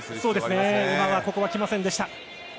今はここはきませんでした。